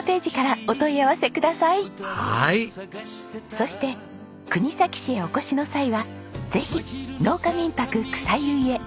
そして国東市へお越しの際はぜひ農家民泊草結いへ。